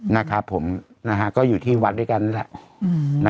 นะครับผมก็อยู่ที่วัดด้วยกันแหละ